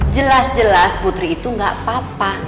jelas jelas putri itu gak apa apa